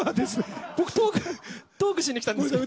僕トークしに来たんですけど。